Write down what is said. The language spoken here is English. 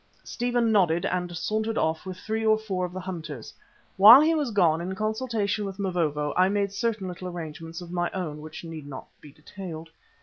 Stephen nodded and sauntered off with three or four of the hunters. While he was gone, in consultation with Mavovo, I made certain little arrangements of my own, which need not be detailed.